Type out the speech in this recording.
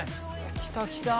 来た来た。